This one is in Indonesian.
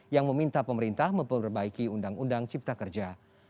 yang meminta pemerintah memperbaiki undang undang cipta kerja